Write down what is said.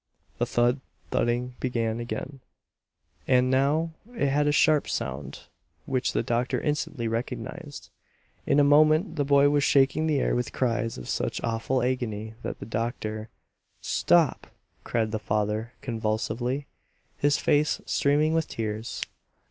The thud thudding began again, and now it had a sharp sound which the doctor instantly recognized. In a moment the boy was shaking the air with cries of such awful agony that the doctor "Stop!" cried the father convulsively, his face streaming with tears.